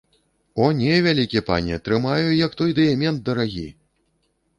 О не, вялікі пане, трымаю, як той дыямент дарагі!